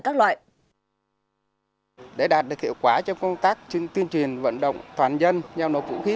của các loại để đạt được hiệu quả trong công tác tuyên truyền vận động toàn dân giao nộp vũ khí